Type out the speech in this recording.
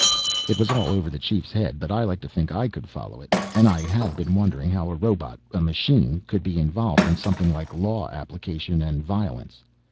It was all over the Chief's head, but I liked to think I could follow it. And I had been wondering how a robot a machine could be involved in something like law application and violence.